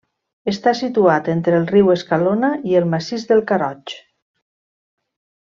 Està situat entre el riu Escalona i el Massís del Caroig.